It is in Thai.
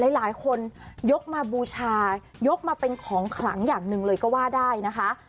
หลายคนยกมาบูชายกมาเป็นของขลังอย่างหนึ่งเลยก็ว่าได้นะคะ